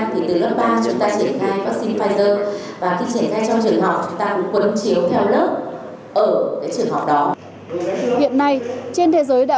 thì từ lớp ba chúng ta triển khai vaccine pfizer và khi triển khai cho trường học chúng ta cũng quấn chiếu theo lớp ở trường học đó